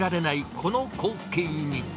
この光景に。